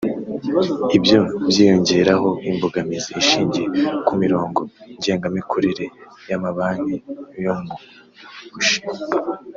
Ibyo byiyongeraho imbogamizi ishingiye ku mirongo ngengamikorere y’amabanki yo mu Bushinwa